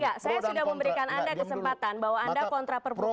iya saya sudah memberikan anda kesempatan bahwa anda kontra perpu kpk